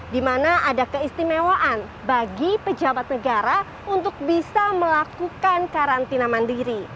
di mana ada keistimewaan bagi pejabat negara untuk bisa melakukan karantina mandiri